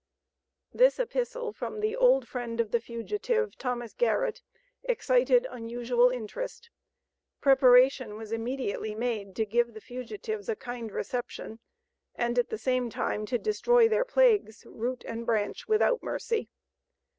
This epistle from the old friend of the fugitive, Thomas Garrett, excited unusual interest. Preparation was immediately made to give the fugitives a kind reception, and at the same time to destroy their plagues, root and branch, without mercy.